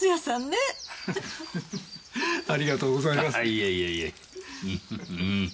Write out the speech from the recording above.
いえいえいえ。